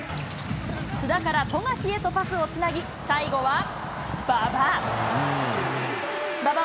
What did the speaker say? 須田から富樫へとパスをつなぎ、最後は馬場。